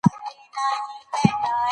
د اثر مطالعه تر نورو نظرونو غوره ده.